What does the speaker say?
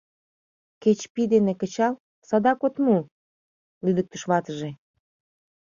«Кеч пий дене кычал — садак от му!» — лӱдыктыш ватыже.